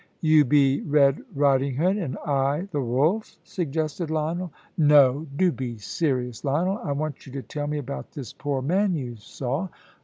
"You be Red Ridinghood and I the wolf," suggested Lionel. "No. Do be serious, Lionel! I want you to tell me about this poor man you saw."